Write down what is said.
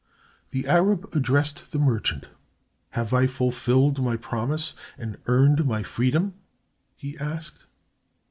The Arab addressed the merchant. "Have I fulfilled my promise and earned my freedom?" he asked.